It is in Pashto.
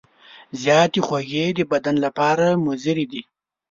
زیاتې خوږې د بدن لپاره مضرې دي.